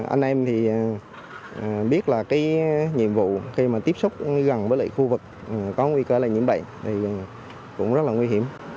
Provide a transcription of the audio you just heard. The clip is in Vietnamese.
anh em thì biết là cái nhiệm vụ khi mà tiếp xúc gần với lại khu vực có nguy cơ lây nhiễm bệnh thì cũng rất là nguy hiểm